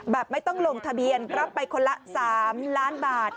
ไม่ต้องลงทะเบียนรับไปคนละ๓ล้านบาท